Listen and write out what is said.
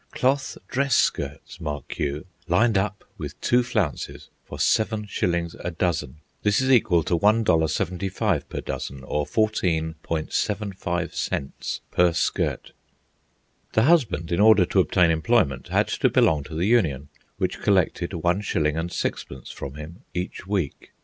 Cloth dress skirts, mark you, lined up with two flounces, for seven shillings a dozen! This is equal to $1.75 per dozen, or 14.75 cents per skirt. The husband, in order to obtain employment, had to belong to the union, which collected one shilling and sixpence from him each week.